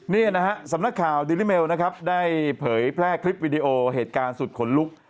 นี่นะฮะสำนักข่าวดิริเมลนะครับได้เผยแพร่คลิปวิดีโอเหตุการณ์สุดขนลุก